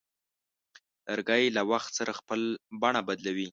لرګی له وخت سره خپل بڼه بدلوي.